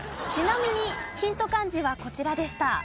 ちなみにヒント漢字はこちらでした。